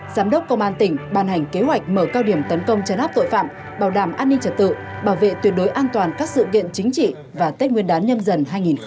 giám đốc công an tỉnh ban hành kế hoạch mở cao điểm tấn công chấn áp tội phạm bảo đảm an ninh trật tự bảo vệ tuyệt đối an toàn các sự kiện chính trị và tết nguyên đán nhâm dần hai nghìn hai mươi bốn